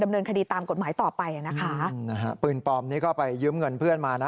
เนินคดีตามกฎหมายต่อไปอ่ะนะคะอืมนะฮะปืนปลอมนี้ก็ไปยืมเงินเพื่อนมานะ